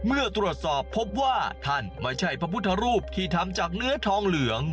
เมื่อตรวจสอบพบว่าท่านไม่ใช่พระพุทธรูปที่ทำจากเนื้อทองเหลือง